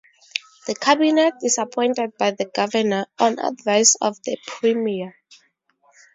The Cabinet is appointed by the governor on advice of the premier.